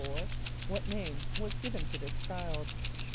= What name was given to this child?